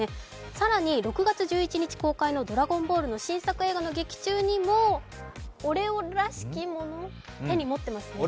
更に６月１１日公開の「ドラゴンボール」の新作映画の劇中にもオレオらしきものを手に持っています。